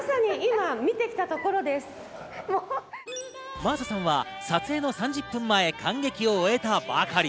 真麻さんは撮影の３０分前、観劇を終えたばかり。